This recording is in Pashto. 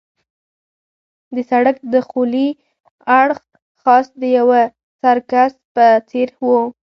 د سړک دخولي اړخ خاص د یوه سرکس په څېر وو.